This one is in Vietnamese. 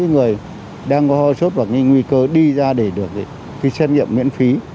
các người đang có hoa sốt là cái nguy cơ đi ra để được cái xét nghiệm miễn phí